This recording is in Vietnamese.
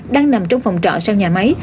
đang nằm trong phòng trọ sau nhà máy